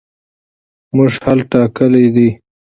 موږ حل ټاکلی دی.